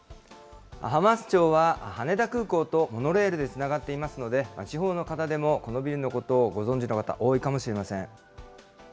浜松町は羽田空港とモノレールでつながっていますので、地方の方でもこのビルのことをご存じの方、多いかもしれません。